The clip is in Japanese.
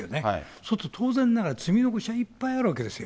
そうすると、当然ながら積み残しはいっぱいあるわけですよ。